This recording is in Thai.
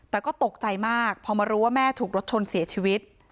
แต่ก็ตกใจมากพอมารู้ว่าแม่ถูกรถชนเสียชีวิต